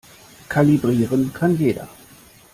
Kalibrieren kann jeder.